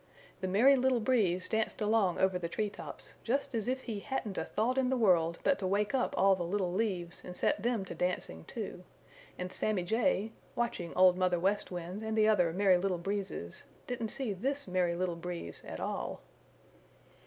The Merry Little Breeze danced along over the tree tops just as if he hadn't a thought in the world but to wake up all the little leaves and set them to dancing too, and Sammy Jay, watching Old Mother West Wind and the other Merry Little Breezes, didn't see this Merry Little Breeze at all.